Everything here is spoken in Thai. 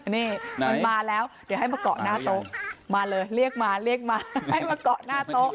นี่มันมาแล้วเดี๋ยวให้มาเกาะหน้าโต๊ะมาเลยเรียกมาเรียกมาให้มาเกาะหน้าโต๊ะ